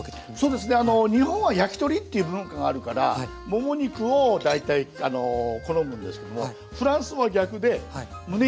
そうですね日本は焼き鳥っていう文化があるからもも肉を大体好むんですけどもフランスは逆でむね肉です。